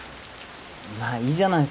まあいいじゃない。